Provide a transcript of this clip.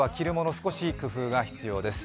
少し工夫が必要です。